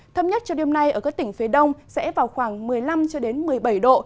thấp nhất cho đêm nay ở các tỉnh phía đông sẽ vào khoảng một mươi năm một mươi bảy độ